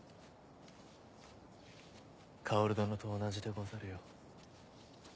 薫殿と同じでござるよ。